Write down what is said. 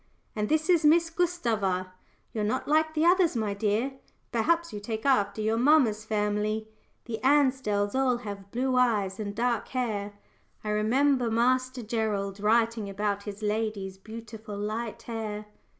"And this is Miss Gustava you're not like the others, my dear. Perhaps you take after your mamma's family the Ansdells have all blue eyes and dark hair. I remember Master Gerald writing about his lady's beautiful light hair."